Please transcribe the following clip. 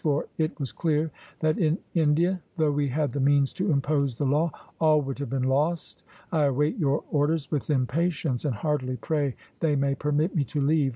for it was clear that in India, though we had the means to impose the law, all would have been lost. I await your orders with impatience, and heartily pray they may permit me to leave.